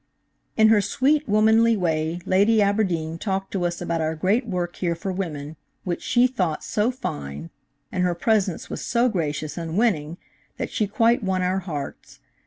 "In her sweet, womanly way, Lady Aberdeen talked to us about our great work here for women, which she thought so fine, and her presence was so gracious and winning that she quite won our hearts.